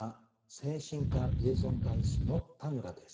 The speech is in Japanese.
精神科・リエゾン科医師の田村です。